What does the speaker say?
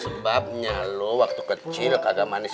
sebabnya lo waktu kecil kadang manis